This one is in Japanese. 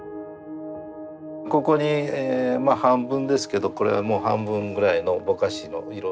ここにまあ半分ですけどこれも半分ぐらいのぼかしの色の。